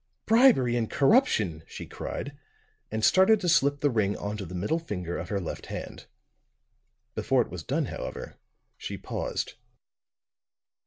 "Bribery and corruption!" she cried, and started to slip the ring on to the middle finger of her left hand. Before it was done, however, she paused.